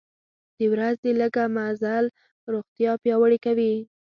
د ورځې لږه مزل روغتیا پیاوړې کوي.